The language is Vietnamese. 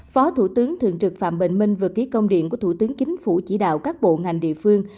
phó thủ tướng thường trực phạm bình minh vừa ký công điện của thủ tướng chính phủ chỉ đạo các bộ ngành địa phương